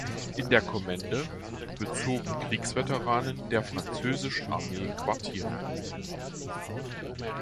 In der Kommende bezogen Kriegsveteranen der französischen Armee Quartier.